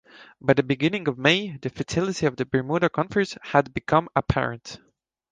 By the beginning of May, the futility of the Bermuda Conference had become apparent.